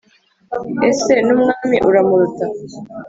ese n' umwami uramuruta?"